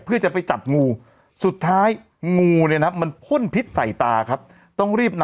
เพื่อจะไปจับงูสุดท้ายงูเนี่ยนะมันพ่นพิษใส่ตาครับ